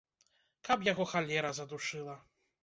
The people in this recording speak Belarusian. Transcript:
Каб яго халера задушыла!